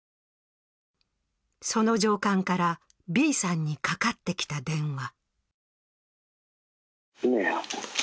その上官からＢさんにかかってきた電話。